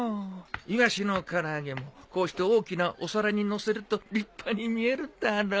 イワシの唐揚げもこうして大きなお皿にのせると立派に見えるだろ。